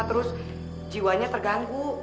terus jiwanya terganggu